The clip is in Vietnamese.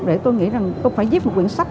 để tôi nghĩ là tôi phải giúp một quyển sách